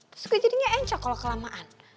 terus gue jadinya enco kalo kelamaan